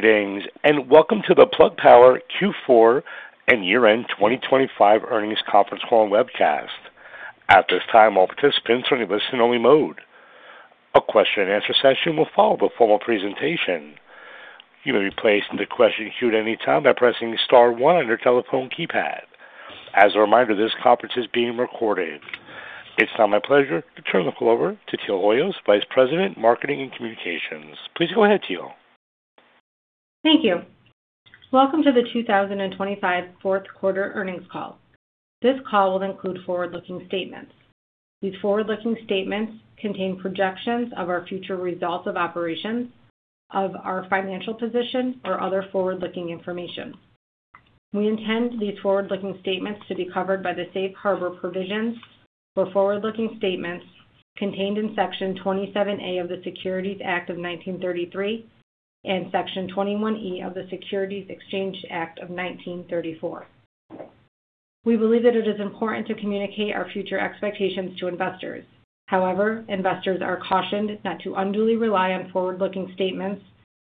Greetings, and welcome to the Plug Power Q4 and Year-End 2025 Earnings Conference Call and Webcast. At this time, all participants are in listen only mode. A question-and-answer session will follow the formal presentation. You may be placed in the question queue at any time by pressing star one on your telephone keypad. As a reminder, this conference is being recorded. It's now my pleasure to turn the call over to Teal Hoyos, Vice President, Marketing and Communications. Please go ahead, Teal. Thank you. Welcome to the 2025 Fourth Quarter Earnings Call. This call will include forward-looking statements. These forward-looking statements contain projections of our future results of operations, of our financial position or other forward-looking information. We intend these forward-looking statements to be covered by the safe harbor provisions for forward-looking statements contained in Section 27A of the Securities Act of 1933 and Section 21E of the Securities Exchange Act of 1934. We believe that it is important to communicate our future expectations to investors. However, investors are cautioned not to unduly rely on forward-looking statements,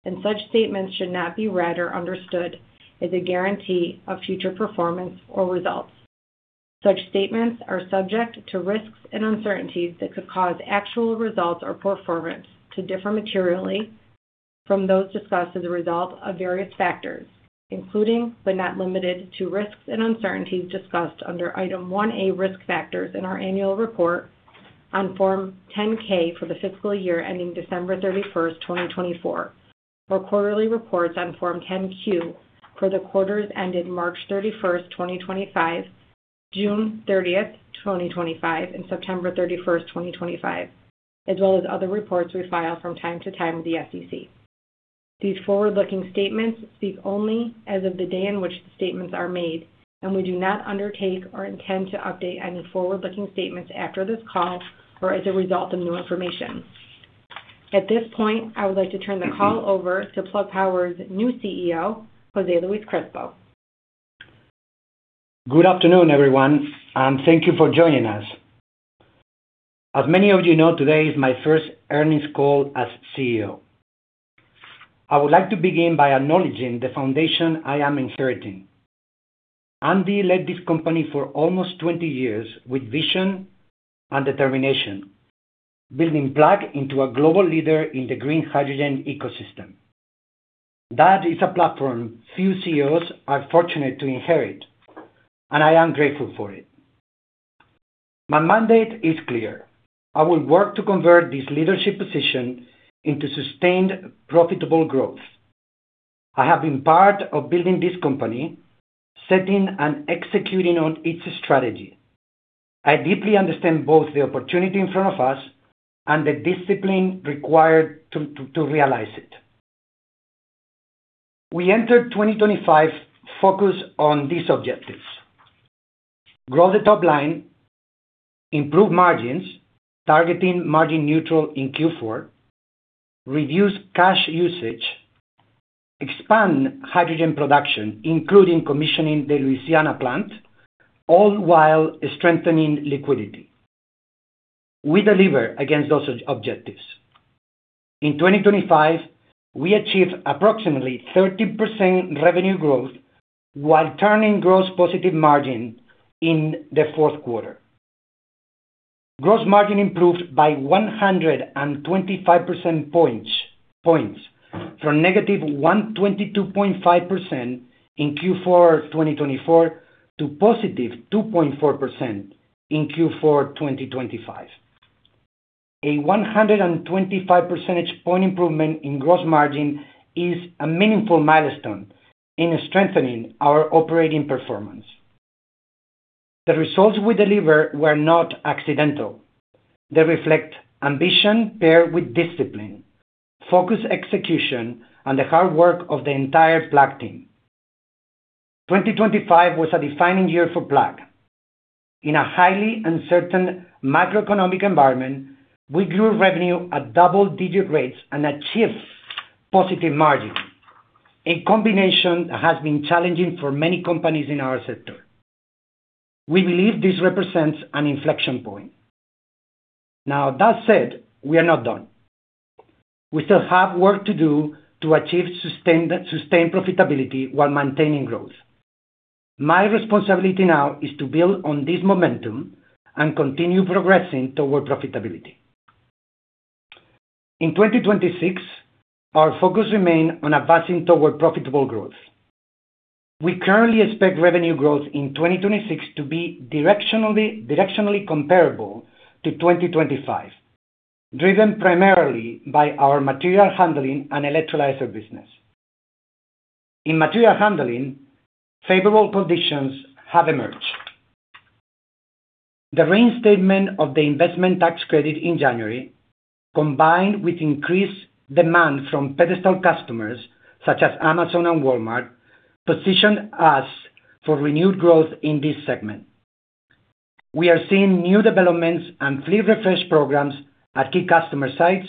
and such statements should not be read or understood as a guarantee of future performance or results. Such statements are subject to risks and uncertainties that could cause actual results or performance to differ materially from those discussed as a result of various factors, including, but not limited to, risks and uncertainties discussed under Item 1A, Risk Factors in our annual report on Form 10-K for the fiscal year ending December 31st, 2024, our quarterly reports on Form 10-Q for the quarters ending March 31st, 2025, June 30th, 2025, and September 31st, 2025, as well as other reports we file from time to time with the SEC. These forward-looking statements speak only as of the day in which the statements are made, and we do not undertake or intend to update any forward-looking statements after this call or as a result of new information. At this point, I would like to turn the call over to Plug Power's new CEO, Jose Luis Crespo. Good afternoon, everyone. Thank you for joining us. As many of you know, today is my first earnings call as CEO. I would like to begin by acknowledging the foundation I am inheriting. Andy led this company for almost 20 years with vision and determination, building Plug into a global leader in the green hydrogen ecosystem. That is a platform few CEOs are fortunate to inherit, and I am grateful for it. My mandate is clear. I will work to convert this leadership position into sustained profitable growth. I have been part of building this company, setting and executing on its strategy. I deeply understand both the opportunity in front of us and the discipline required to realize it. We entered 2025 focused on these objectives: grow the top line, improve margins, targeting margin neutral in Q4, reduce cash usage, expand hydrogen production, including commissioning the Louisiana plant, all while strengthening liquidity. We deliver against those objectives. In 2025, we achieved approximately 30% revenue growth while turning gross positive margin in the fourth quarter. Gross margin improved by 125 percentage points from negative 122.5% in Q4 2024 to positive 2.4% in Q4 2025. A 125 percentage point improvement in gross margin is a meaningful milestone in strengthening our operating performance. The results we delivered were not accidental. They reflect ambition paired with discipline, focused execution, and the hard work of the entire Plug team. 2025 was a defining year for Plug. In a highly uncertain macroeconomic environment, we grew revenue at double-digit rates and achieved positive margin. A combination that has been challenging for many companies in our sector. We believe this represents an inflection point. That said, we are not done. We still have work to do to achieve sustained profitability while maintaining growth. My responsibility now is to build on this momentum and continue progressing toward profitability. In 2026, our focus remain on advancing toward profitable growth. We currently expect revenue growth in 2026 to be directionally comparable to 2025, driven primarily by our material handling and electrolyzer business. In material handling, favorable conditions have emerged. The reinstatement of the Investment Tax Credit in January, combined with increased demand from pedestal customers such as Amazon and Walmart, positioned us for renewed growth in this segment. We are seeing new developments and fleet refresh programs at key customer sites,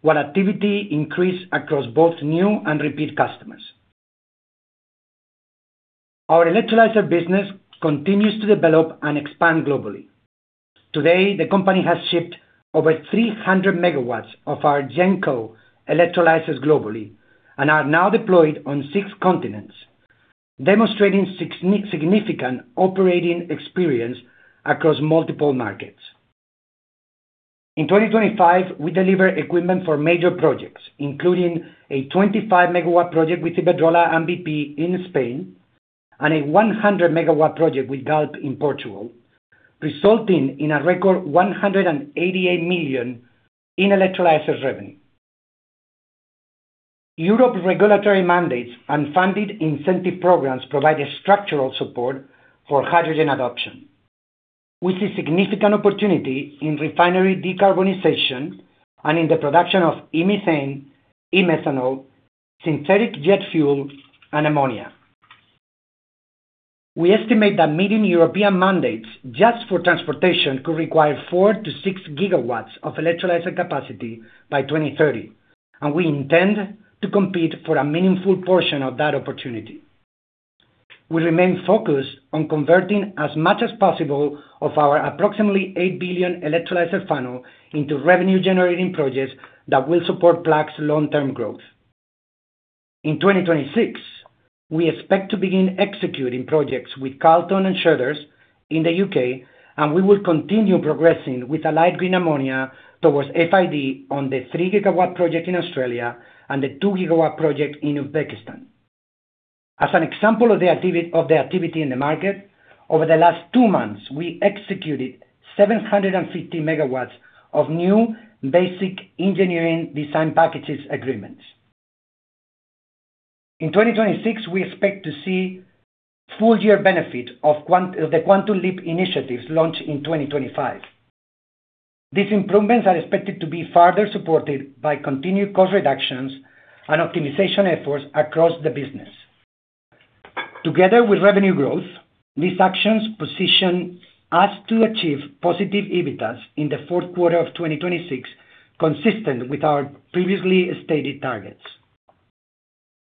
while activity increased across both new and repeat customers. Our electrolyzer business continues to develop and expand globally. Today, the company has shipped over 300 MW of our GenEco electrolyzers globally and are now deployed on six continents, demonstrating significant operating experience across multiple markets. In 2025, we delivered equipment for major projects, including a 25 MW project with Iberdrola and BP in Spain and a 100 MW project with Galp in Portugal, resulting in a record $188 million in electrolyzer revenue. Europe regulatory mandates and funded incentive programs provide a structural support for hydrogen adoption. We see significant opportunity in refinery decarbonization and in the production of e-methane, e-methanol, synthetic jet fuel and ammonia. We estimate that meeting European mandates just for transportation could require 4 GW-6 GW of electrolyzer capacity by 2030, and we intend to compete for a meaningful portion of that opportunity. We remain focused on converting as much as possible of our approximately $8 billion electrolyzer funnel into revenue-generating projects that will support Plug's long-term growth. In 2026, we expect to begin executing projects with Carlton and Schroders Greencoat in the U.K., and we will continue progressing with Allied Green Ammonia towards FID on the 3 GW project in Australia and the 2 GW project in Uzbekistan. As an example of the activity in the market, over the last two months, we executed 750 MW of new basic engineering design packages agreements. In 2026, we expect to see full year benefit of the Quantum Leap initiatives launched in 2025. These improvements are expected to be further supported by continued cost reductions and optimization efforts across the business. Together with revenue growth, these actions position us to achieve positive EBITDAs in the fourth quarter of 2026, consistent with our previously stated targets.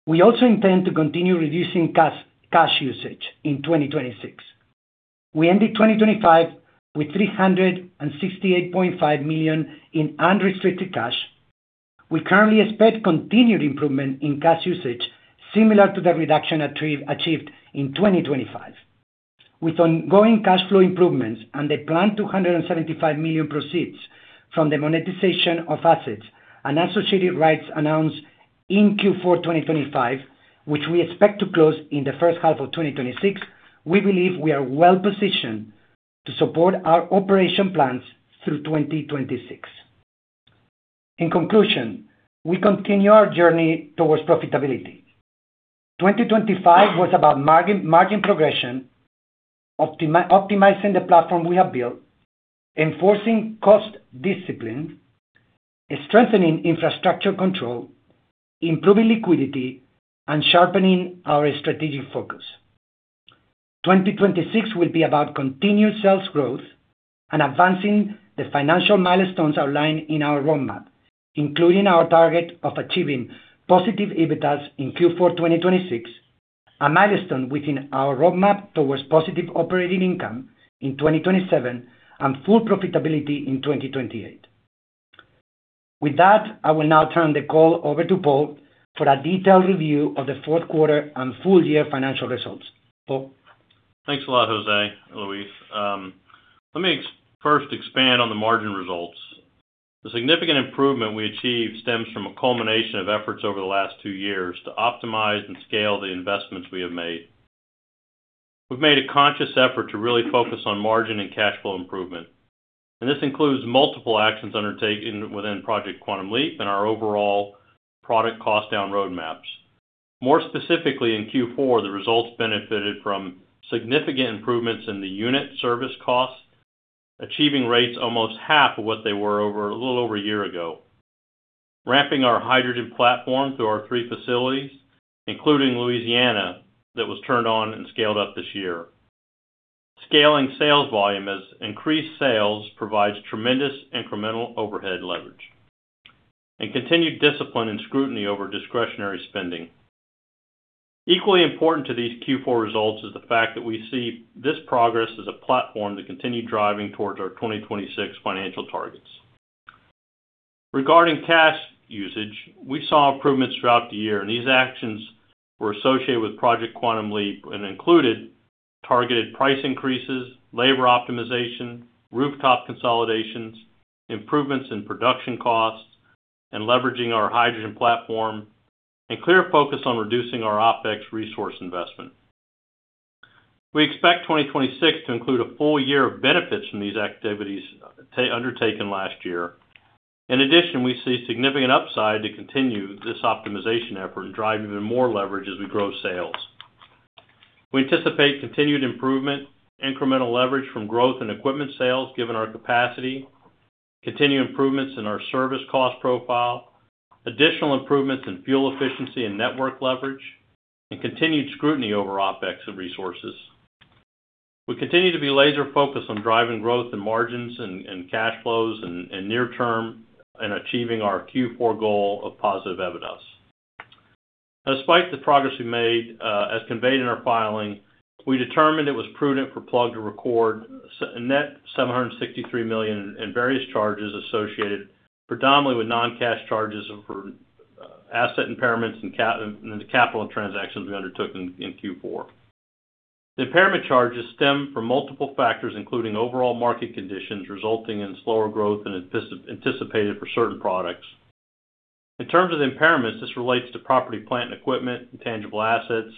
We also intend to continue reducing cash usage in 2026. We ended 2025 with $368.5 million in unrestricted cash. We currently expect continued improvement in cash usage similar to the reduction achieved in 2025. With ongoing cash flow improvements and the planned $275 million proceeds from the monetization of assets and associated rights announced in Q4 2025, which we expect to close in the first half of 2026, we believe we are well-positioned to support our operation plans through 2026. In conclusion, we continue our journey towards profitability. 2025 was about margin progression, optimizing the platform we have built, enforcing cost discipline, strengthening infrastructure control, improving liquidity, and sharpening our strategic focus. 2026 will be about continued sales growth and advancing the financial milestones outlined in our roadmap, including our target of achieving positive EBITDAs in Q4 2026, a milestone within our roadmap towards positive operating income in 2027 and full profitability in 2028. I will now turn the call over to Paul for a detailed review of the fourth quarter and full year financial results. Paul. Thanks a lot, Jose Luis. Let me first expand on the margin results. The significant improvement we achieved stems from a culmination of efforts over the last two years to optimize and scale the investments we have made. We've made a conscious effort to really focus on margin and cash flow improvement, and this includes multiple actions undertaken within Project Quantum Leap and our overall product cost down roadmaps. More specifically, in Q4, the results benefited from significant improvements in the unit service costs, achieving rates almost half of what they were over a little over a year ago. Ramping our hydrogen platform through our three facilities, including Louisiana, that was turned on and scaled up this year. Scaling sales volume as increased sales provides tremendous incremental overhead leverage. Continued discipline and scrutiny over discretionary spending. Equally important to these Q4 results is the fact that we see this progress as a platform to continue driving towards our 2026 financial targets. Regarding cash usage, we saw improvements throughout the year. These actions were associated with Project Quantum Leap and included targeted price increases, labor optimization, rooftop consolidations, improvements in production costs, and leveraging our hydrogen platform, a clear focus on reducing our OpEx resource investment. We expect 2026 to include a full year of benefits from these activities undertaken last year. In addition, we see significant upside to continue this optimization effort and drive even more leverage as we grow sales. We anticipate continued improvement, incremental leverage from growth in equipment sales given our capacity, continued improvements in our service cost profile, additional improvements in fuel efficiency and network leverage, and continued scrutiny over OpEx of resources. We continue to be laser focused on driving growth and margins and cash flows and near term and achieving our Q4 goal of positive EBITDA. Despite the progress we made, as conveyed in our filing, we determined it was prudent for Plug to record a net $763 million in various charges associated predominantly with non-cash charges for asset impairments and the capital transactions we undertook in Q4. The impairment charges stem from multiple factors, including overall market conditions resulting in slower growth than anticipated for certain products. In terms of the impairments, this relates to property, plant and equipment, intangible assets,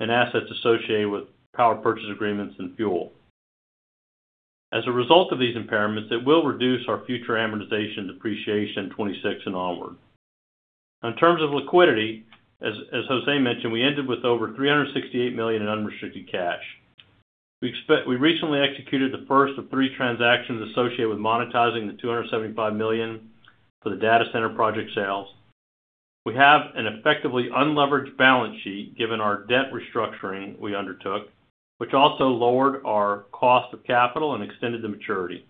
and assets associated with power purchase agreements and fuel. As a result of these impairments, it will reduce our future amortization depreciation 2026 and onward. In terms of liquidity, as Jose mentioned, we ended with over $368 million in unrestricted cash. We recently executed the first of three transactions associated with monetizing the $275 million for the data center project sales. We have an effectively unleveraged balance sheet given our debt restructuring we undertook, which also lowered our cost of capital and extended the maturity.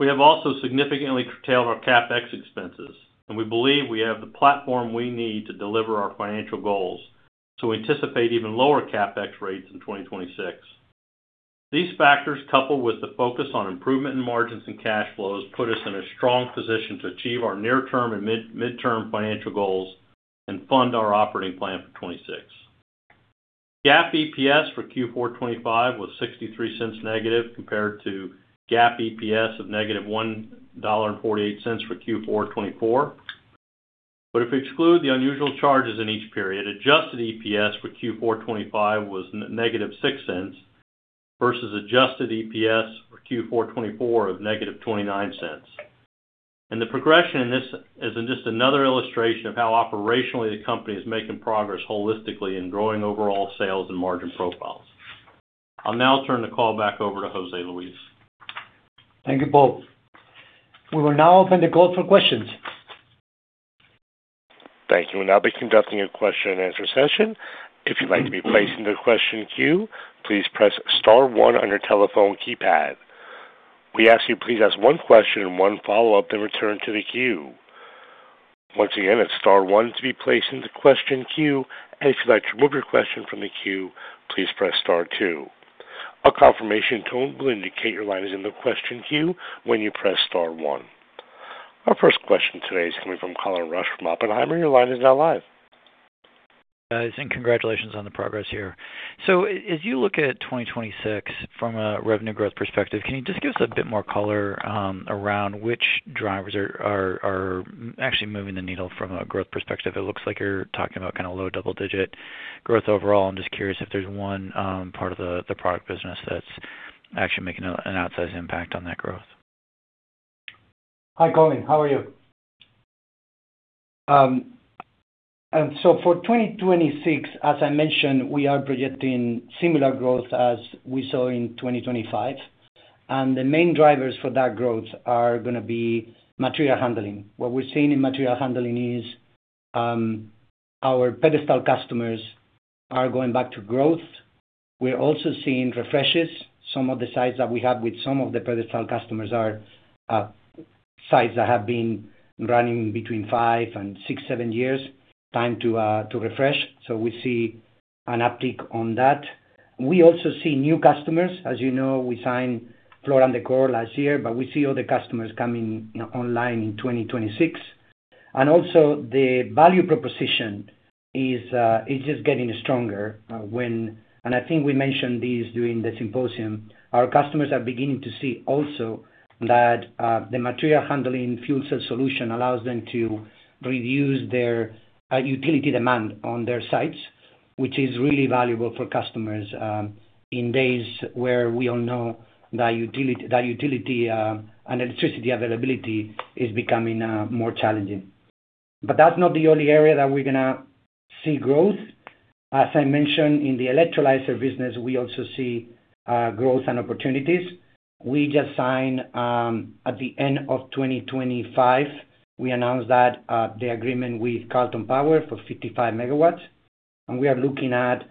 We have also significantly curtailed our CapEx expenses, and we believe we have the platform we need to deliver our financial goals to anticipate even lower CapEx rates in 2026. These factors, coupled with the focus on improvement in margins and cash flows, put us in a strong position to achieve our near-term and mid-term financial goals and fund our operating plan for 2026. GAAP EPS for Q4 2025 was -$0.63 compared to GAAP EPS of -$1.48 for Q4 2024. If we exclude the unusual charges in each period, Adjusted EPS for Q4 2025 was -$0.06 versus Adjusted EPS for Q4 2024 of -$0.29. The progression in this is just another illustration of how operationally the company is making progress holistically in growing overall sales and margin profiles. I'll now turn the call back over to Jose Luis. Thank you, Paul. We will now open the call for questions. Thank you. We'll now be conducting a question-and-answer session. If you'd like to be placed in the question queue, please press star one on your telephone keypad. We ask you please ask one question and one follow-up, then return to the queue. Once again, it's star one to be placed in the question queue. If you'd like to remove your question from the queue, please press star two. A confirmation tone will indicate your line is in the question queue when you press star one. Our first question today is coming from Colin Rusch from Oppenheimer. Your line is now live. Guys, congratulations on the progress here. As you look at 2026 from a revenue growth perspective, can you just give us a bit more color around which drivers are actually moving the needle from a growth perspective? It looks like you're talking about kind of low double-digit growth overall. I'm just curious if there's one part of the product business that's actually making an outsized impact on that growth. Hi, Colin. How are you? So for 2026, as I mentioned, we are projecting similar growth as we saw in 2025, and the main drivers for that growth are gonna be material handling. What we're seeing in material handling is, our pedestal customers are going back to growth. We're also seeing refreshes. Some of the sites that we have with some of the pedestal customers are, sites that have been running between five and six, seven years. Time to refresh. We see an uptick on that. We also see new customers. As you know, we signed Floor & Decor last year, but we see other customers coming online in 2026. Also the value proposition is just getting stronger, and I think we mentioned these during the symposium. Our customers are beginning to see also that the material handling fuel cell solution allows them to reduce their utility demand on their sites, which is really valuable for customers in days where we all know that utility and electricity availability is becoming more challenging. That's not the only area that we're gonna see growth. As I mentioned in the electrolyzer business, we also see growth and opportunities. We just signed at the end of 2025, we announced that the agreement with Carlton Power for 55 MW, and we are looking at,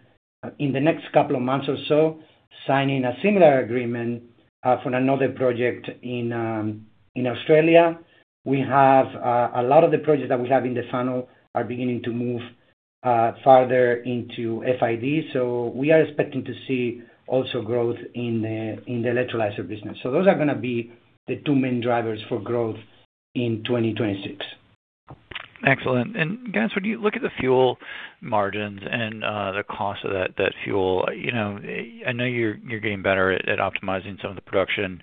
in the next couple of months or so, signing a similar agreement for another project in Australia. We have a lot of the projects that we have in the funnel are beginning to move farther into FID, so we are expecting to see also growth in the electrolyzer business. Those are gonna be the two main drivers for growth in 2026. Excellent. Guys, when you look at the fuel margins and the cost of that fuel, you know, I know you're getting better at optimizing some of the production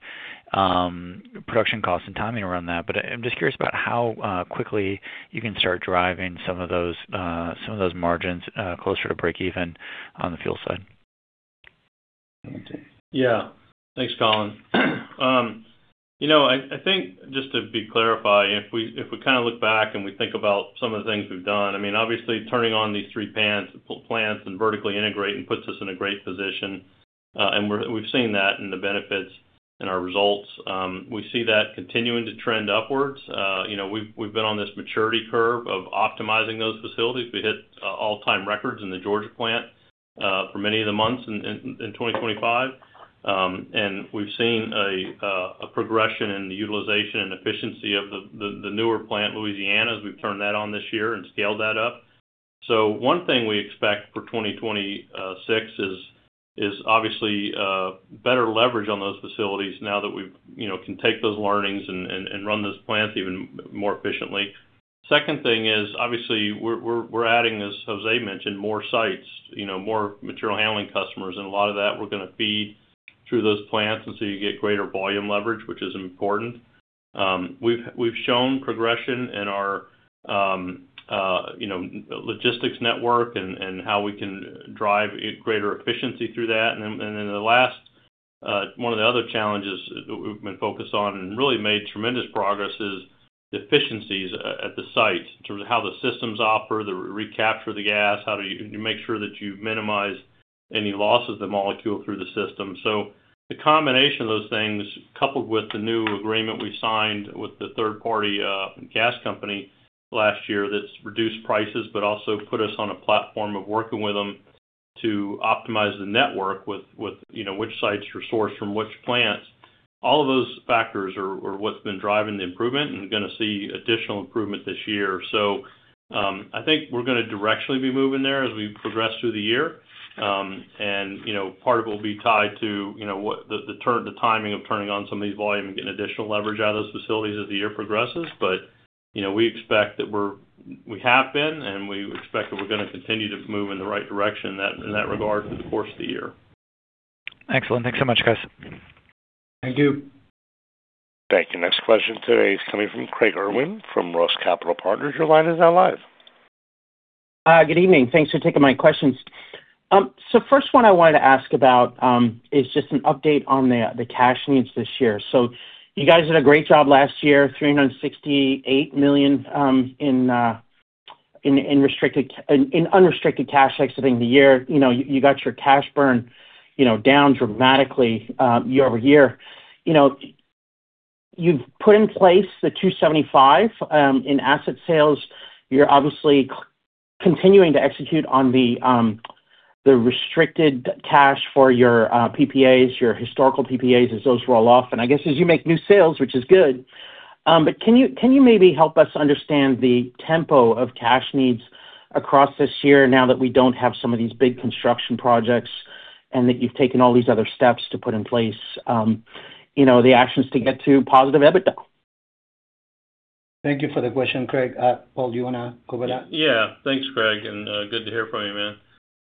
costs and timing around that, but I'm just curious about how quickly you can start driving some of those margins closer to breakeven on the fuel side. Yeah. Thanks, Colin. you know, I think just to be clarify, if we kind of look back and we think about some of the things we've done, I mean, obviously turning on these three plants and vertically integrating puts us in a great position. We've seen that in the benefits in our results. we see that continuing to trend upwards. you know, we've been on this maturity curve of optimizing those facilities. We hit all-time records in the Georgia plant for many of the months in 2025. We've seen a progression in the utilization and efficiency of the newer plant, Louisiana, as we've turned that on this year and scaled that up. One thing we expect for 2026 is obviously better leverage on those facilities now that we've, you know, can take those learnings and run those plants even more efficiently. Second thing is, obviously, we're adding, as Jose mentioned, more sites, you know, more material handling customers, and a lot of that we're gonna feed through those plants, and so you get greater volume leverage, which is important. We've shown progression in our, you know, logistics network and how we can drive greater efficiency through that. The last, one of the other challenges that we've been focused on and really made tremendous progress is the efficiencies at the site in terms of how the systems offer, the recapture of the gas, how do you make sure that you minimize any loss of the molecule through the system. The combination of those things, coupled with the new agreement we signed with the third-party gas company last year that's reduced prices, but also put us on a platform of working with them to optimize the network with, you know, which sites are sourced from which plants. All of those factors are what's been driving the improvement and gonna see additional improvement this year. I think we're gonna directionally be moving there as we progress through the year. You know, part of it will be tied to, you know, the timing of turning on some of these volume and getting additional leverage out of those facilities as the year progresses. You know, we expect that we have been, and we expect that we're gonna continue to move in the right direction in that, in that regard through the course of the year. Excellent. Thanks so much, guys. Thank you. Thank you. Next question today is coming from Craig Irwin from Roth Capital Partners. Your line is now live. Good evening. Thanks for taking my questions. First one I wanted to ask about is just an update on the cash needs this year. You guys did a great job last year, $368 million in unrestricted cash, next thing the year. You know, you got your cash burn, you know, down dramatically year-over-year. You know, you've put in place the $275 in asset sales. You're obviously continuing to execute on the restricted cash for your PPAs, your historical PPAs as those roll off. I guess as you make new sales, which is good, but can you maybe help us understand the tempo of cash needs across this year now that we don't have some of these big construction projects and that you've taken all these other steps to put in place, you know, the actions to get to positive EBITDA? Thank you for the question, Craig. Paul, do you wanna cover that? Thanks, Craig, and good to hear from you, man.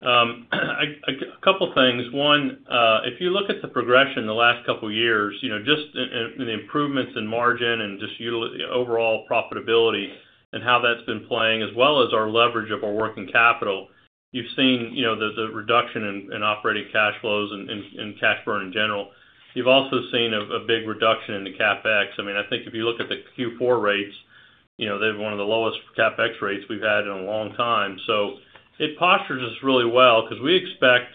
A couple things. One, if you look at the progression the last couple years, you know, just in the improvements in margin and just overall profitability and how that's been playing, as well as our leverage of our working capital, you've seen, you know, the reduction in operating cash flows and cash burn in general. You've also seen a big reduction in the CapEx. I mean, I think if you look at the Q4 rates, you know, they have one of the lowest CapEx rates we've had in a long time. It postures us really well because we expect,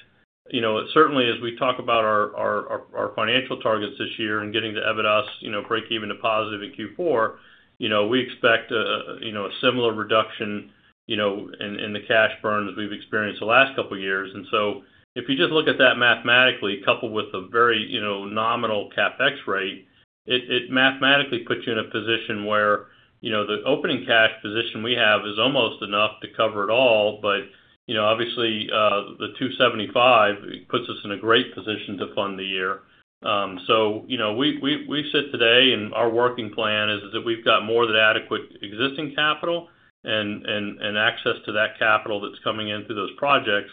you know, certainly as we talk about our financial targets this year and getting to EBITA, you know, breakeven to positive in Q4, you know, we expect a similar reduction, you know, in the cash burn as we've experienced the last couple of years. If you just look at that mathematically, coupled with a very, you know, nominal CapEx rate, it mathematically puts you in a position where, you know, the opening cash position we have is almost enough to cover it all. Obviously, you know, the $275 puts us in a great position to fund the year. you know, we sit today and our working plan is that we've got more than adequate existing capital and access to that capital that's coming in through those projects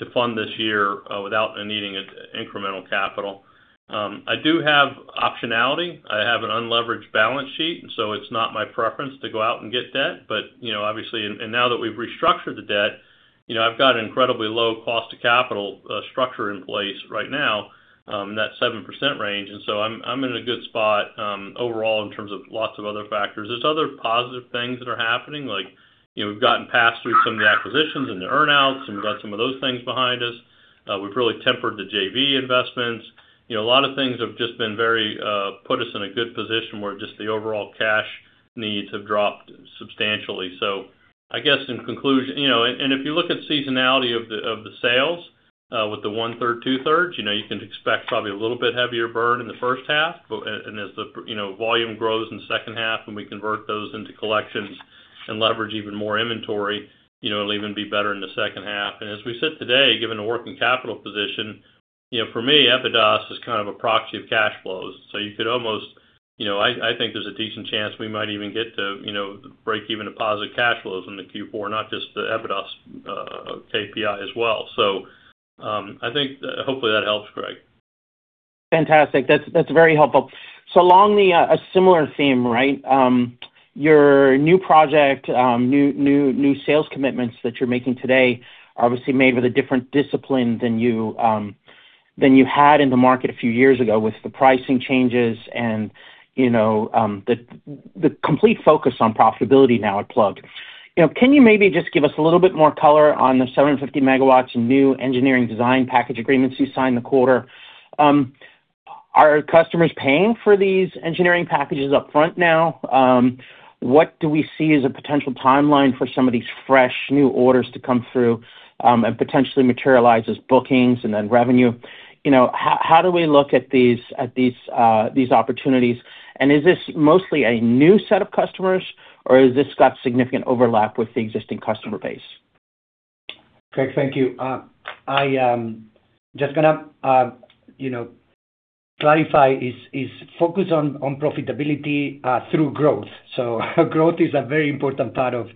to fund this year without needing incremental capital. I do have optionality. I have an unleveraged balance sheet. It's not my preference to go out and get debt. now that we've restructured the debt, you know, I've got an incredibly low cost of capital structure in place right now in that 7% range. I'm in a good spot overall in terms of lots of other factors. There's other positive things that are happening, like, you know, we've gotten passed through some of the acquisitions and the earn-outs, and we've got some of those things behind us. We've really tempered the JV investments. You know, a lot of things have just been very, put us in a good position where just the overall cash needs have dropped substantially. I guess in conclusion, you know, and if you look at seasonality of the, of the sales, with the 1/3, 2/3 you know, you can expect probably a little bit heavier burn in the first half. As the, you know, volume grows in the second half and we convert those into collections and leverage even more inventory, you know, it'll even be better in the second half. As we sit today, given the working capital position, you know, for me, EBITA is kind of a proxy of cash flows. You could almost, you know, I think there's a decent chance we might even get to, you know, break even to positive cash flows in the Q4, not just the EBITA, KPI as well. I think hopefully that helps, Craig. Fantastic. That's very helpful. Along a similar theme, right? Your new project, new sales commitments that you're making today are obviously made with a different discipline than you had in the market a few years ago with the pricing changes and, you know, the complete focus on profitability now at Plug. You know, can you maybe just give us a little bit more color on the 750 MW new engineering design package agreements you signed in the quarter? Are customers paying for these engineering packages up front now? What do we see as a potential timeline for some of these fresh new orders to come through and potentially materialize as bookings and then revenue? You know, how do we look at these opportunities? Is this mostly a new set of customers or has this got significant overlap with the existing customer base? Craig, thank you. I just gonna, you know, clarify is focus on profitability through growth. Growth is a very important part of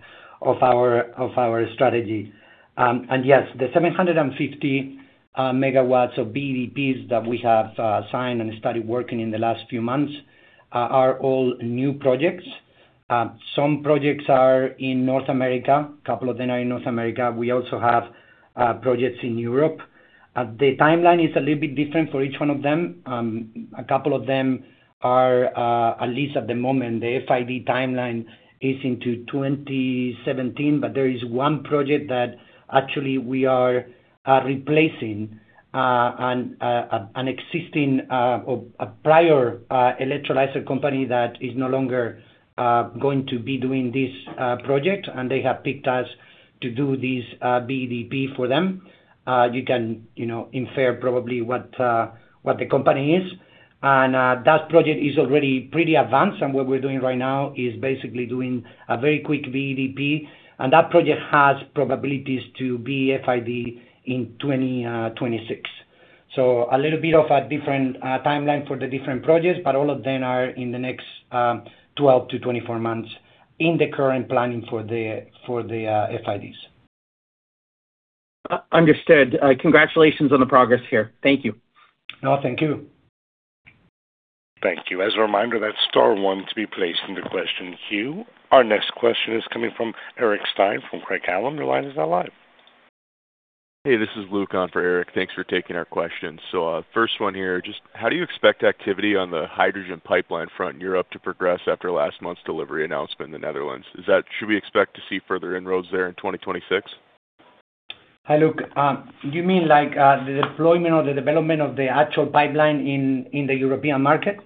our strategy. Yes, the 750 MW of BEDPs that we have signed and started working in the last few months are all new projects. Some projects are in North America, couple of them are in North America. We also have projects in Europe. The timeline is a little bit different for each one of them. A couple of them are, at least at the moment, the FID timeline is into 2017, but there is one project that actually we are replacing an existing or a prior electrolyzer company that is no longer going to be doing this project, and they have picked us to do this BEDP for them. You can, you know, infer probably what what the company is. That project is already pretty advanced, and what we're doing right now is basically doing a very quick BEDP, and that project has probabilities to be FID in 2026. A little bit of a different timeline for the different projects, but all of them are in the next 12-24 months in the current planning for the FIDs. Understood. Congratulations on the progress here. Thank you. No, thank you. Thank you. As a reminder, that's star one to be placed in the question queue. Our next question is coming from Eric Stine from Craig-Hallum. Your line is now live. Hey, this is Luke on for Eric. Thanks for taking our questions. first one here. Just how do you expect activity on the hydrogen pipeline front in Europe to progress after last month's delivery announcement in the Netherlands? Should we expect to see further inroads there in 2026? Hi, Luke. You mean like, the deployment or the development of the actual pipeline in the European market?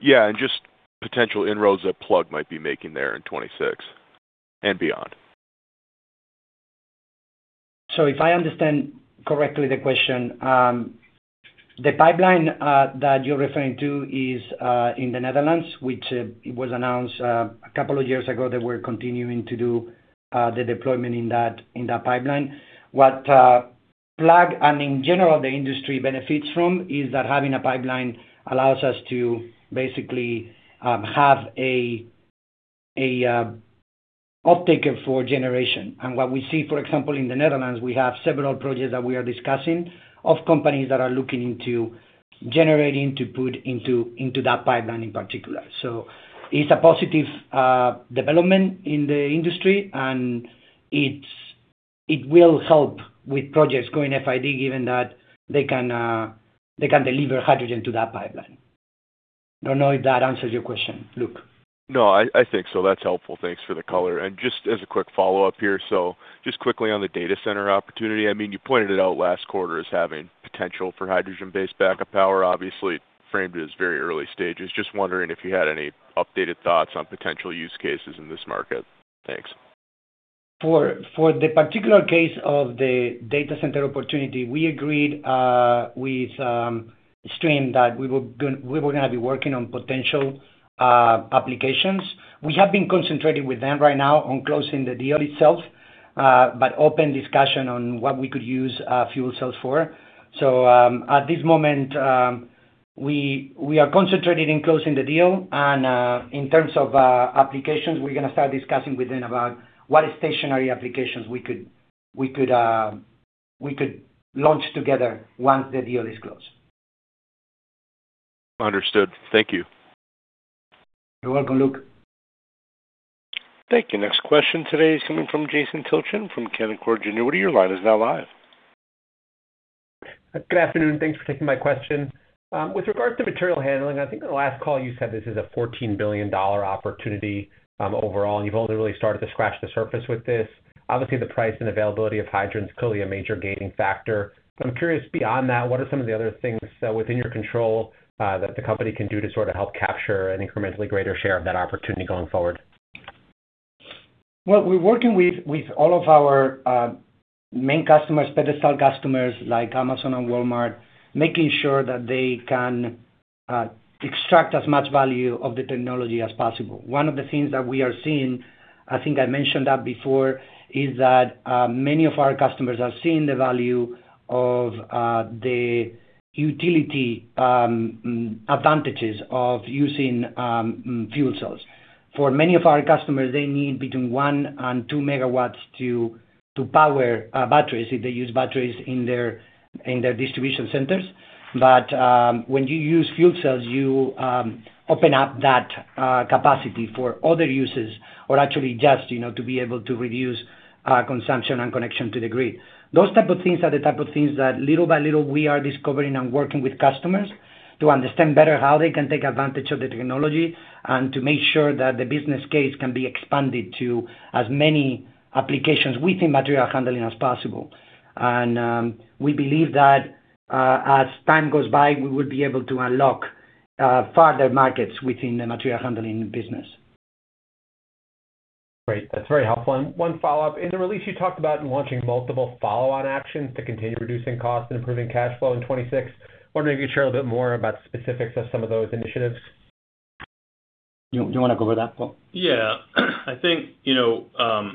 Yeah. Just potential inroads that Plug might be making there in 2026 and beyond. If I understand correctly the question, the pipeline that you're referring to is in the Netherlands, which it was announced a couple of years ago that we're continuing to do the deployment in that pipeline. What Plug and in general the industry benefits from is that having a pipeline allows us to basically have a offtaker for generation. What we see, for example, in the Netherlands, we have several projects that we are discussing of companies that are looking into generating to put into that pipeline in particular. It's a positive development in the industry, and it will help with projects going FID given that they can deliver hydrogen to that pipeline. Don't know if that answers your question, Luke? No, I think so. That's helpful. Thanks for the color. Just as a quick follow-up here, quickly on the data center opportunity, I mean, you pointed it out last quarter as having potential for hydrogen-based backup power, obviously framed as very early stages. Just wondering if you had any updated thoughts on potential use cases in this market. Thanks. For the particular case of the data center opportunity, we agreed with Stream that we were gonna be working on potential applications. We have been concentrating with them right now on closing the deal itself, but open discussion on what we could use fuel cells for. At this moment, we are concentrating in closing the deal and in terms of applications, we're gonna start discussing with them about what stationary applications we could launch together once the deal is closed. Understood. Thank you. You're welcome, Luke. Thank you. Next question today is coming from Jason Tilchen from Canaccord Genuity. Your line is now live. Good afternoon, thanks for taking my question. With regard to material handling, I think on the last call you said this is a $14 billion opportunity overall, and you've only really started to scratch the surface with this. Obviously, the price and availability of hydrogen is clearly a major gating factor. I'm curious, beyond that, what are some of the other things within your control that the company can do to sort of help capture an incrementally greater share of that opportunity going forward? We're working with all of our main customers, pedestal customers, like Amazon and Walmart, making sure that they can extract as much value of the technology as possible. One of the things that we are seeing, I think I mentioned that before, is that many of our customers are seeing the value of the utility advantages of using fuel cells. For many of our customers, they need between 1 MW and 2 MW to power batteries, if they use batteries in their distribution centers. When you use fuel cells, you open up that capacity for other uses or actually just, you know, to be able to reduce consumption and connection to the grid. Those type of things are the type of things that little by little we are discovering and working with customers to understand better how they can take advantage of the technology and to make sure that the business case can be expanded to as many applications within material handling as possible. We believe that as time goes by, we will be able to unlock further markets within the material handling business. Great. That's very helpful. One follow-up. In the release, you talked about launching multiple follow-on actions to continue reducing costs and improving cash flow in 2026. Wondering if you could share a bit more about specifics of some of those initiatives. You wanna go over that, Paul? Yeah. I think, you know,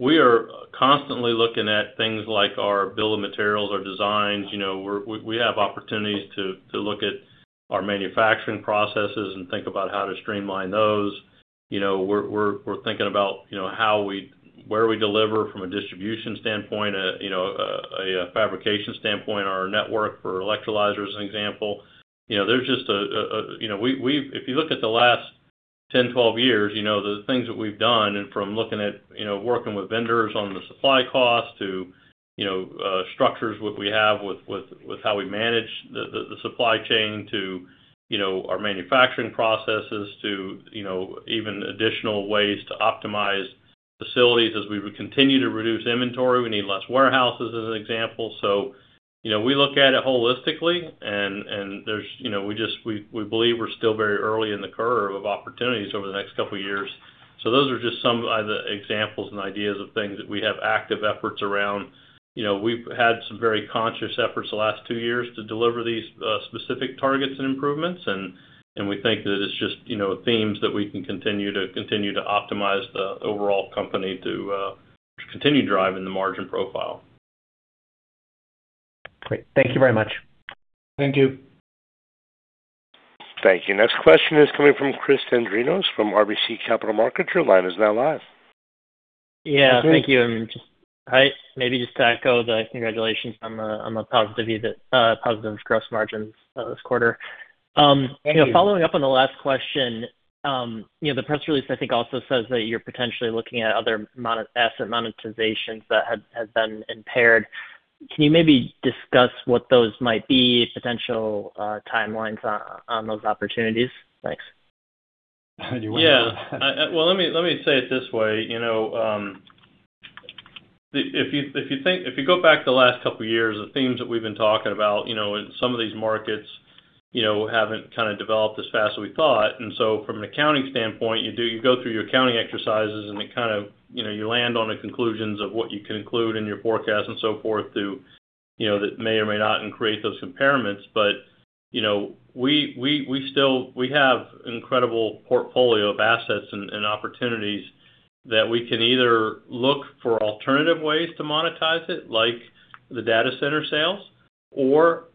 we are constantly looking at things like our bill of materials or designs. You know, we have opportunities to look at our manufacturing processes and think about how to streamline those. You know, we're thinking about, you know, where we deliver from a distribution standpoint, a fabrication standpoint, our network for electrolyzers, as an example. You know, there's just a... You know, If you look at the last 10, 12 years, you know, the things that we've done and from looking at, you know, working with vendors on the supply cost to, you know, structures what we have with how we manage the supply chain to, you know, our manufacturing processes to, you know, even additional ways to optimize facilities. As we continue to reduce inventory, we need less warehouses as an example. You know, we look at it holistically, and there's. You know, we believe we're still very early in the curve of opportunities over the next couple of years. Those are just some of the examples and ideas of things that we have active efforts around. You know, we've had some very conscious efforts the last two years to deliver these specific targets and improvements. We think that it's just, you know, themes that we can continue to optimize the overall company to continue driving the margin profile. Great. Thank you very much. Thank you. Thank you. Next question is coming from Chris Dendrinos from RBC Capital Markets. Your line is now live. Yeah. Thank you. Hi. Maybe just to echo the congratulations on the, on the positive view that positive gross margins this quarter. Thank you. You know, following up on the last question, you know, the press release, I think, also says that you're potentially looking at other asset monetizations that have been impaired. Can you maybe discuss what those might be, potential, timelines on those opportunities? Thanks. Yeah. Well, let me, let me say it this way. You know, if you go back the last couple of years, the themes that we've been talking about, you know, in some of these markets, you know, haven't kind of developed as fast as we thought. From an accounting standpoint, you go through your accounting exercises, and it kind of, you know, you land on the conclusions of what you conclude in your forecast and so forth to, you know, that may or may not create those impairments. But, you know, we still we have an incredible portfolio of assets and opportunities that we can either look for alternative ways to monetize it, like the data center sales, or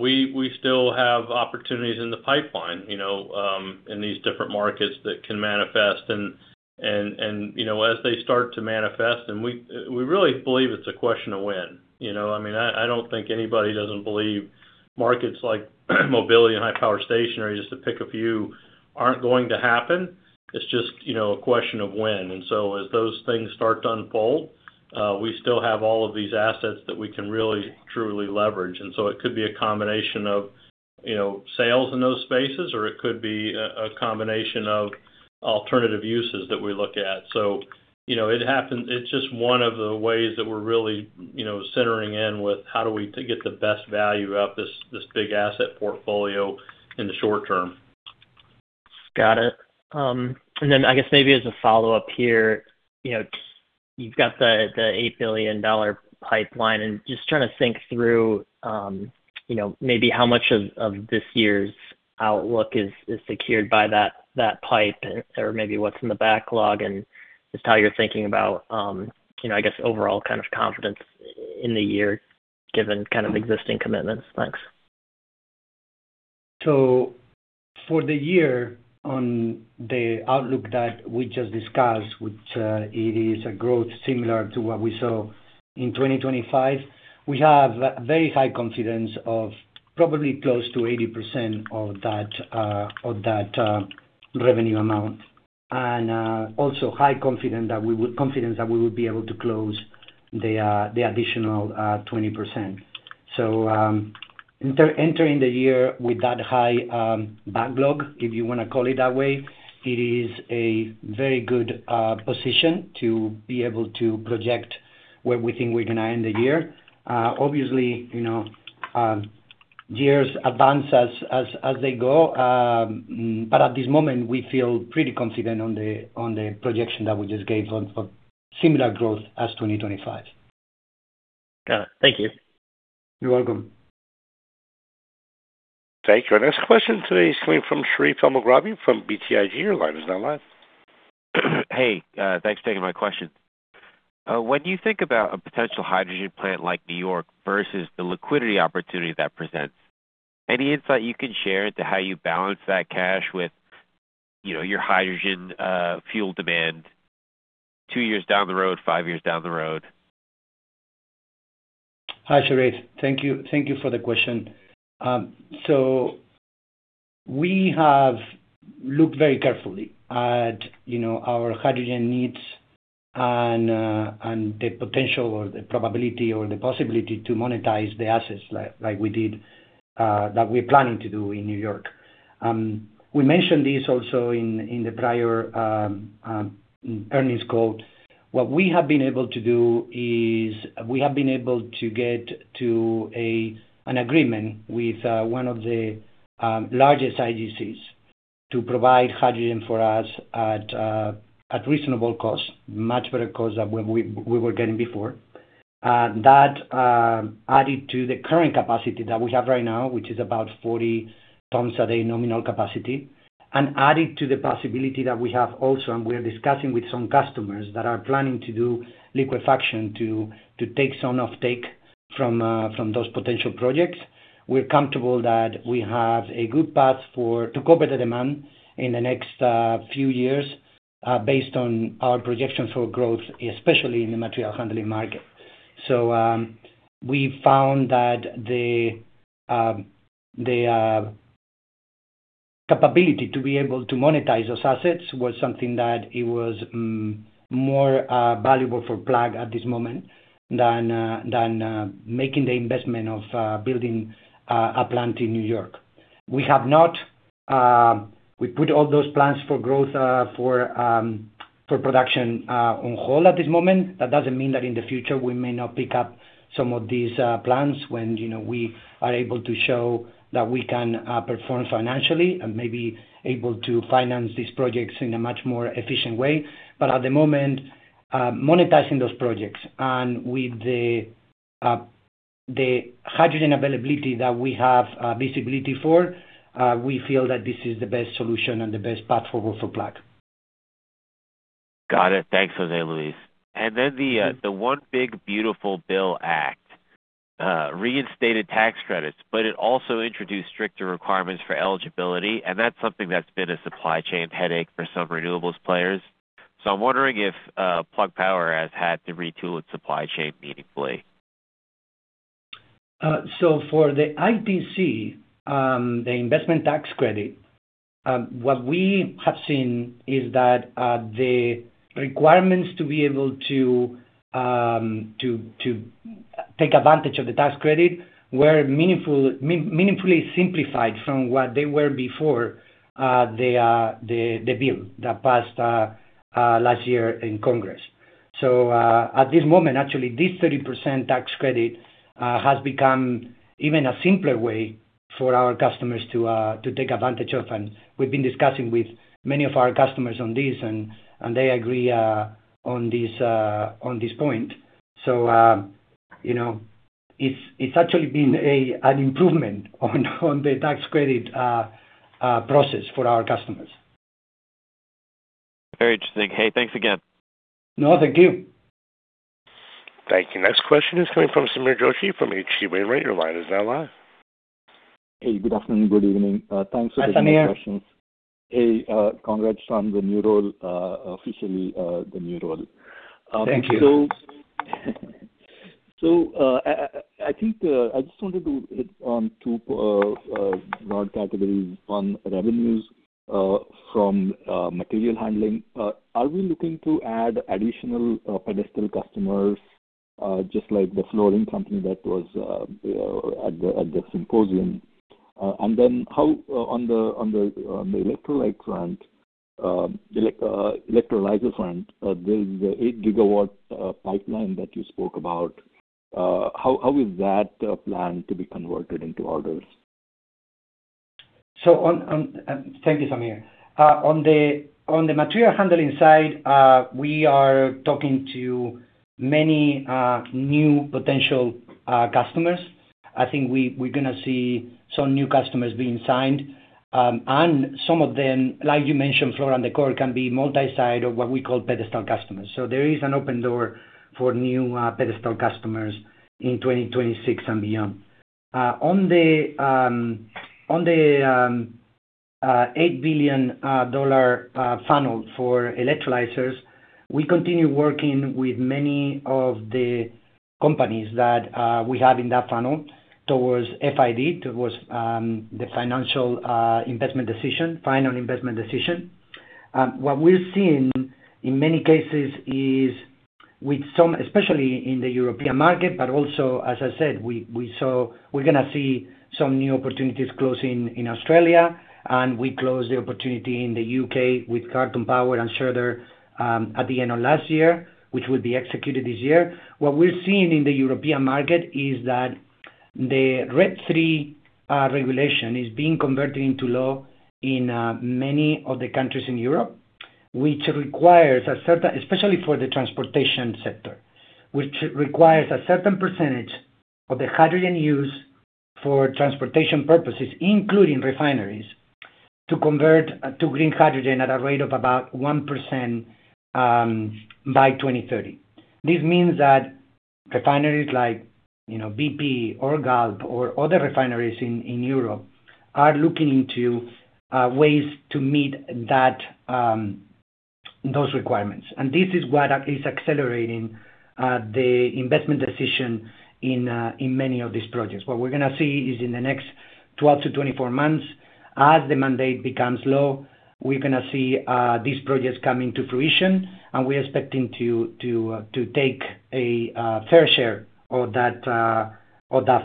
we still have opportunities in the pipeline, you know, in these different markets that can manifest. you know, as they start to manifest, and we really believe it's a question of when, you know. I mean, I don't think anybody doesn't believe markets like mobility and high-power stationary, just to pick a few, aren't going to happen. It's just, you know, a question of when. As those things start to unfold, we still have all of these assets that we can really, truly leverage. It could be a combination of, you know, sales in those spaces, or it could be a combination of alternative uses that we look at. You know, it happens. It's just one of the ways that we're really, you know, centering in with how do we get the best value out this big asset portfolio in the short term. Got it. I guess maybe as a follow-up here, you know, you've got the $8 billion pipeline, and just trying to think through, you know, maybe how much of this year's outlook is secured by that pipe or maybe what's in the backlog and just how you're thinking about, you know, I guess, overall kind of confidence in the year given kind of existing commitments. Thanks. For the year, on the outlook that we just discussed, which it is a growth similar to what we saw in 2025, we have very high confidence of probably close to 80% of that revenue amount, and also high confidence that we would be able to close the additional 20%. Entering the year with that high backlog, if you wanna call it that way, it is a very good position to be able to project where we think we're gonna end the year. Obviously, you know, years advance as they go, but at this moment, we feel pretty confident on the projection that we just gave on similar growth as 2025. Got it. Thank you. You're welcome. Thank you. Our next question today is coming from Sherif Elmaghrabi from BTIG. Your line is now live. Hey, thanks for taking my question. When you think about a potential hydrogen plant like New York versus the liquidity opportunity that presents, any insight you can share into how you balance that cash with, you know, your hydrogen, fuel demand two years down the road, five years down the road? Hi, Sherif. Thank you. Thank you for the question. We have looked very carefully at, you know, our hydrogen needs. The potential or the probability or the possibility to monetize the assets like we did that we're planning to do in New York. We mentioned this also in the prior earnings call. What we have been able to do is we have been able to get to an agreement with one of the largest agencies to provide hydrogen for us at reasonable cost, much better cost than what we were getting before. That added to the current capacity that we have right now, which is about 40 tons a day nominal capacity, and added to the possibility that we have also, and we are discussing with some customers that are planning to do liquefaction to take some offtake from those potential projects. We're comfortable that we have a good path to cover the demand in the next few years, based on our projections for growth, especially in the material handling market. We found that the capability to be able to monetize those assets was something that it was more valuable for Plug at this moment than making the investment of building a plant in New York. We have not, we put all those plans for growth, for production, on hold at this moment. That doesn't mean that in the future we may not pick up some of these plans when, you know, we are able to show that we can perform financially and may be able to finance these projects in a much more efficient way. At the moment, monetizing those projects and with the hydrogen availability that we have, visibility for, we feel that this is the best solution and the best path forward for Plug. Got it. Thanks, Jose Luis. The one big beautiful bill act reinstated tax credits, but it also introduced stricter requirements for eligibility, and that's something that's been a supply chain headache for some renewables players. I'm wondering if Plug Power has had to retool its supply chain meaningfully. So, for the ITC, the Investment Tax Credit, what we have seen is that the requirements to be able to take advantage of the tax credit were meaningfully simplified from what they were before the bill that passed last year in Congress. At this moment, actually, this 30% tax credit has become even a simpler way for our customers to take advantage of, and we've been discussing with many of our customers on this and they agree on this point. You know, it's actually been an improvement on the tax credit process for our customers. Very interesting. Hey, thanks again. No, thank you. Thank you. Next question is coming from Sameer Joshi from H.C. Wainwright. Your line is now live. Hey, good afternoon, good evening. Thanks for taking my question. Hi, Sameer. Hey, congrats on the new role, officially, the new role. Thank you. So, I think, I just wanted to hit on two broad categories on revenues from material handling. Are we looking to add additional pedestal customers just like the flooring company that was the symposium? And then, how on the electrolyte front, electrolyzer front, the 8 GW pipeline that you spoke about, how is that planned to be converted into orders? Thank you, Sameer. On the material handling side, we are talking to many new potential customers. I think we're gonna see some new customers being signed. Some of them, like you mentioned, Floor & Decor, can be multi-site or what we call pedestal customers. There is an open door for new pedestal customers in 2026 and beyond. On the $8 billion funnel for electrolyzers, we continue working with many of the companies that we have in that funnel towards FID, towards the financial investment decision, final investment decision. What we're seeing in many cases is with some, especially in the European market, but also, as I said, we're gonna see some new opportunities closing in Australia, and we closed the opportunity in the U.K. with Carlton Power and Schroders at the end of last year, which will be executed this year. What we're seeing in the European market is that the RED III regulation is being converted into law in many of the countries in Europe, which requires a certain especially for the transportation sector, which requires a certain percentage of the hydrogen used for transportation purposes, including refineries, to convert to green hydrogen at a rate of about 1%, by 2030. This means that refineries like, you know, BP or Galp or other refineries in Europe are looking into ways to meet that those requirements. This is what is accelerating the investment decision in many of these projects. What we're gonna see is in the next 12-24 months. As the mandate becomes low, we're gonna see these projects coming to fruition, and we're expecting to take a fair share of that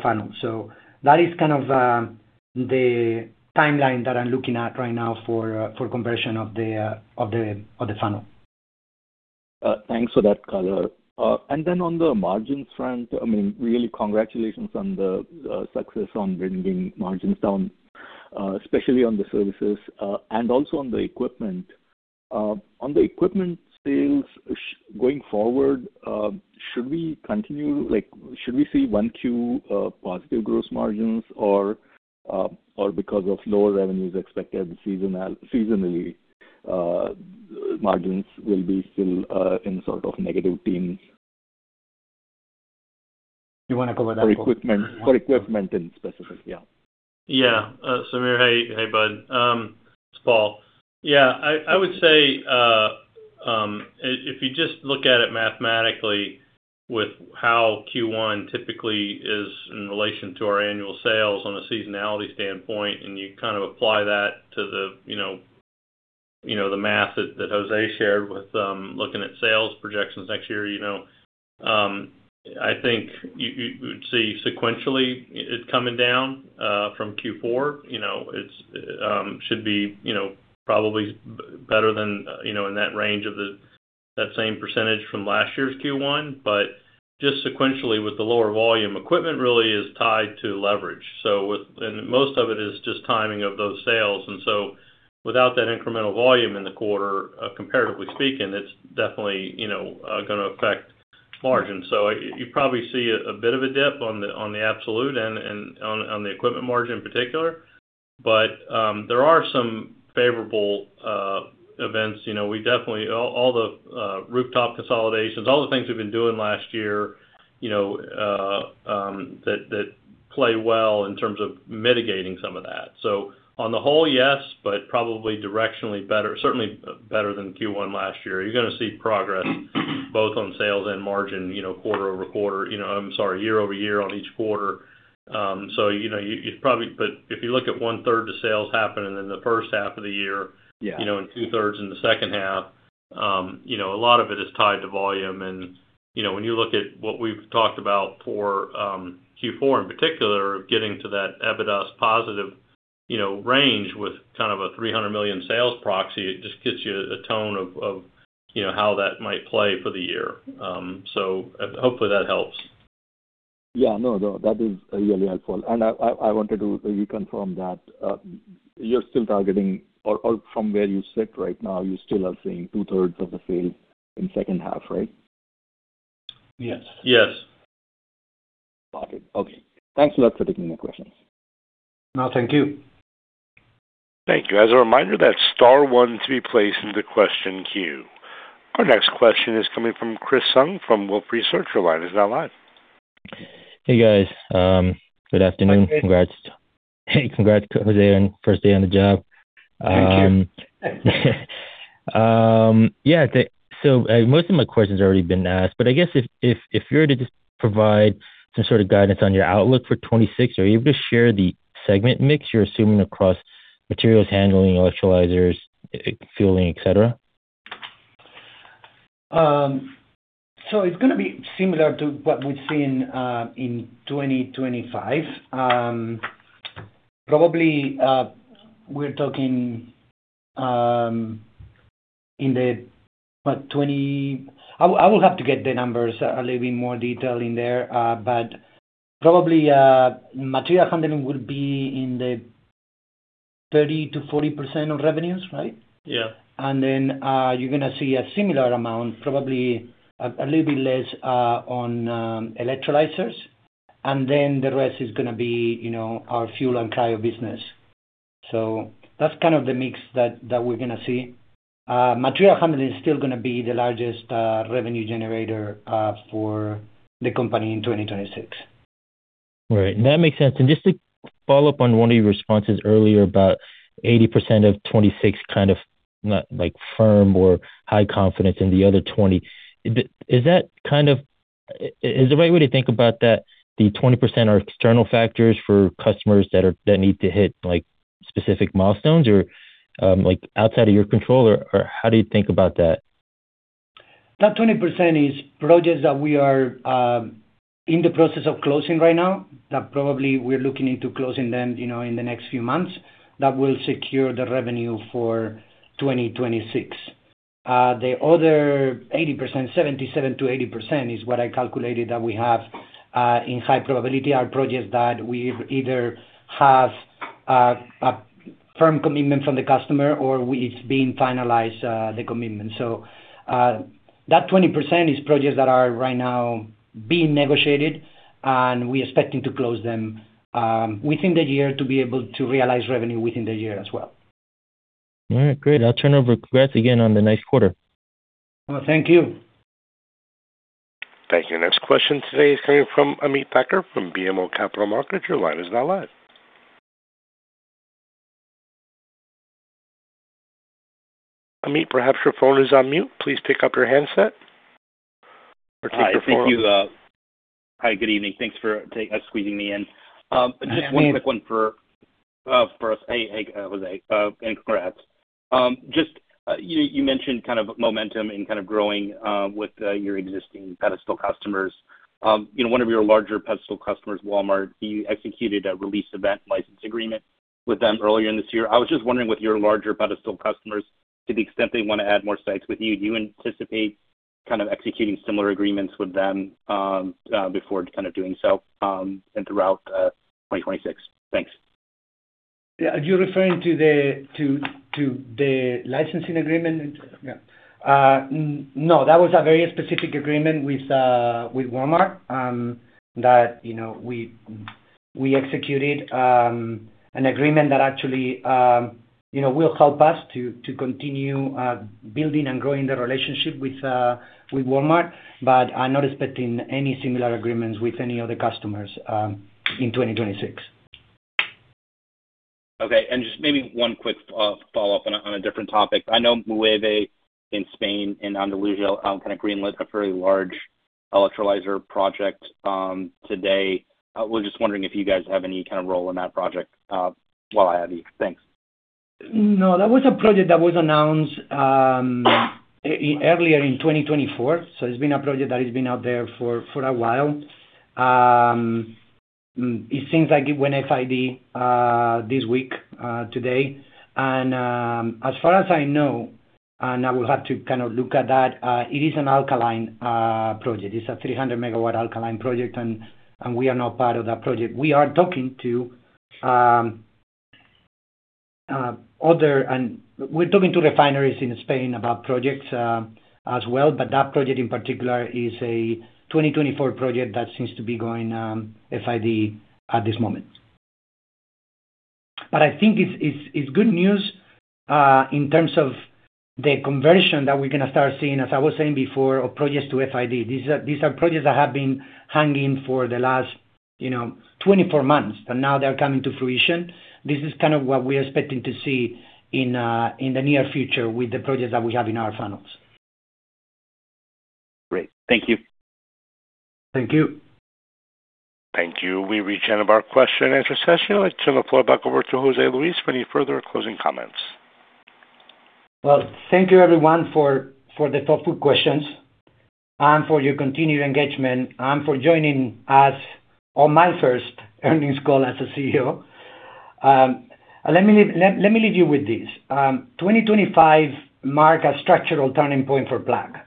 funnel. That is kind of the timeline that I'm looking at right now for conversion of the funnel. Thanks for that color. On the margin front, I mean, really congratulations on the success on bringing margins down, especially on the services and also on the equipment. On the equipment sales going forward, should we see 1Q positive gross margins or because of lower revenues expected seasonally, margins will be still in sort of negative teens? You wanna go that, Paul? For equipment in specific. Yeah. Yeah. Sameer, hey bud. It's Paul. Yeah, I would say, if you just look at it mathematically with how Q1 typically is in relation to our annual sales on a seasonality standpoint, and you kind of apply that to the, you know the math that Jose shared with, looking at sales projections next year, you know, I think you'd see sequentially it's coming down from Q4. You know, it's should be, you know, probably better than, you know, in that range of the... that same percentage from last year's Q1. Just sequentially, with the lower volume, equipment really is tied to leverage. With... and most of it is just timing of those sales. Without that incremental volume in the quarter, comparatively speaking, it's definitely, you know, gonna affect margin. You probably see a bit of a dip on the absolute and on the equipment margin in particular. There are some favorable events. You know, we definitely all the rooftop consolidations, all the things we've been doing last year, you know, that play well in terms of mitigating some of that. On the whole, yes, but probably directionally better, certainly better than Q1 last year. You're gonna see progress both on sales and margin, you know, quarter-over-quarter, I'm sorry, year-over-year on each quarter. You know, you probably. If you look at 1/3 of sales happening in the first half of the year. Yeah. You know, 2/3 in the second half, you know, a lot of it is tied to volume. You know, when you look at what we've talked about for Q4 in particular, getting to that EBITDA positive, you know, range with kind of a $300 million sales proxy, it just gives you a tone of, you know, how that might play for the year. Hopefully that helps. Yeah. No, no, that is really helpful. I wanted to reconfirm that, you're still targeting or from where you sit right now, you still are seeing 2/3 of the sales in second half, right? Yes. Yes. Got it. Okay. Thanks a lot for taking my questions. No, thank you. Thank you. As a reminder, that's star one to be placed into question queue. Our next question is coming from Chris Sung from Wolfe Research. Your line is now live. Hey, guys. good afternoon. Hi, Chris. Congrats. Hey, congrats, Jose, on first day on the job. Thank you. Most of my questions have already been asked, but I guess if, if you were to just provide some sort of guidance on your outlook for 2026, are you able to share the segment mix you're assuming across materials handling, electrolyzers, fueling, et cetera? It's gonna be similar to what we've seen in 2025. Probably, I will have to get the numbers a little bit more detailed in there, probably, material handling will be in the 30%-40% of revenues, right? Yeah. You're gonna see a similar amount, probably a little bit less on electrolyzers, and then the rest is gonna be, you know, our fuel and cryo business. That's kind of the mix that we're gonna see. Material handling is still gonna be the largest revenue generator for the company in 2026. Right. That makes sense. Just to follow up on one of your responses earlier, about 80% of 2026 kind of not like firm or high confidence in the other 20%. Is that kind of is the right way to think about that the 20% are external factors for customers that need to hit like specific milestones or, like outside of your control? Or how do you think about that? That 20% is projects that we are in the process of closing right now, that probably we're looking into closing them, you know, in the next few months. That will secure the revenue for 2026. The other 80%, 77%-80% is what I calculated that we have in high probability are projects that we either have a firm commitment from the customer or it's being finalized, the commitment. That 20% is projects that are right now being negotiated, and we're expecting to close them within the year to be able to realize revenue within the year as well. All right, great. I'll turn over. Congrats again on the nice quarter. Well, thank you. Thank you. Next question today is coming from Ameet Thakkar from BMO Capital Markets. Your line is now live. Ameet, perhaps your phone is on mute. Please pick up your handset or take your phone- Hi. Thank you. Hi, good evening. Thanks for us squeezing me in. Just one quick one for for us. Hey, Jose, and congrats. Just you mentioned kind of momentum and kind of growing with your existing pedestal customers. You know, one of your larger pedestal customers, Walmart, you executed a release event license agreement with them earlier in this year. I was just wondering with your larger pedestal customers, to the extent they want to add more sites with you, do you anticipate kind of executing similar agreements with them before kind of doing so and throughout 2026? Thanks. Yeah. Are you referring to the licensing agreement? Yeah. No, that was a very specific agreement with Walmart, that, you know, we executed an agreement that actually, you know, will help us to continue building and growing the relationship with Walmart. I'm not expecting any similar agreements with any other customers in 2026. Okay. Just maybe one quick follow-up on a different topic. I know Mueve in Spain, in Andalusia, kinda greenlit a very large electrolyzer project today. Was just wondering if you guys have any kind of role in that project, while I have you. Thanks. No, that was a project that was announced earlier in 2024. It's been a project that has been out there for a while. It seems like it went FID this week, today. As far as I know, and I will have to kind of look at that, it is an alkaline project. It's a 300 MW alkaline project and we are not part of that project. We are talking to refineries in Spain about projects as well. That project in particular is a 2024 project that seems to be going FID at this moment. I think it's good news in terms of the conversion that we're gonna start seeing, as I was saying before, of projects to FID. These are projects that have been hanging for the last, you know, 24 months. Now they're coming to fruition. This is kind of what we're expecting to see in the near future with the projects that we have in our funnels. Great. Thank you. Thank you. Thank you. We've reached the end of our question and answer session. I'd like to turn the floor back over to Jose Luis for any further closing comments. Well, thank you everyone for the thoughtful questions, and for your continued engagement, and for joining us on my first earnings call as a CEO. Let me leave you with this. 2025 mark a structural turning point for Plug.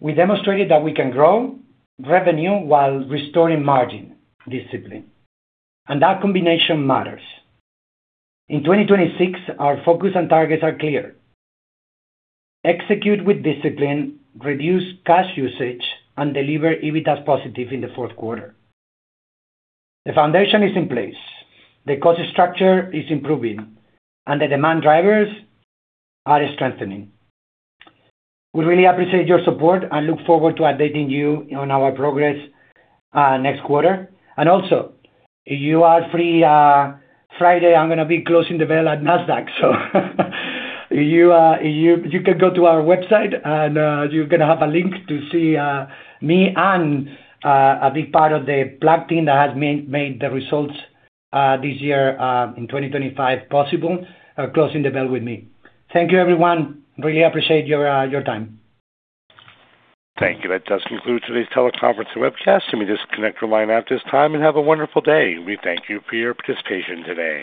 We demonstrated that we can grow revenue while restoring margin discipline, and that combination matters. In 2026, our focus and targets are clear. Execute with discipline, reduce cash usage, and deliver EBITDAs positive in the fourth quarter. The foundation is in place. The cost structure is improving, and the demand drivers are strengthening. We really appreciate your support and look forward to updating you on our progress next quarter. Also, if you are free Friday, I'm gonna be closing the bell at Nasdaq. You, you can go to our website. You're gonna have a link to see me and a big part of the Plug team that has made the results this year, in 2025 possible, closing the bell with me. Thank you everyone. Really appreciate your time. Thank you. That does conclude today's teleconference and webcast. You may disconnect your line at this time, and have a wonderful day. We thank you for your participation today.